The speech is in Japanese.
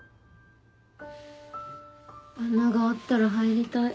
穴があったら入りたい。